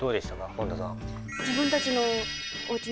本田さん。